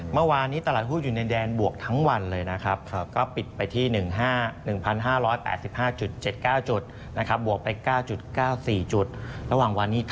ไม่ได้เห็นนานแล้วนะขึ้นมาถึง๑๐จุดอย่างนี้